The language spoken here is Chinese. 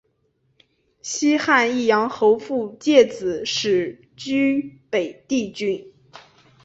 西汉义阳侯傅介子始居北地郡。